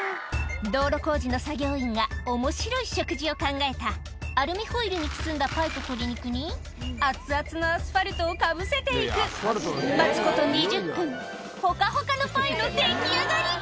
道路工事の作業員が面白い食事を考えたアルミホイルに包んだパイと鶏肉にアツアツのアスファルトをかぶせて行く待つこと２０分ほかほかのパイの出来上がり！